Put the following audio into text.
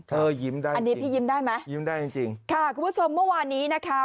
เธอยิ้มได้จริงยิ้มได้จริงค่ะคุณผู้ชมเมื่อวานนี้นะคะ